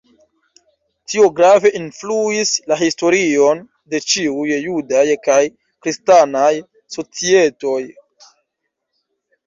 Tio grave influis la historion de ĉiuj judaj kaj kristanaj societoj.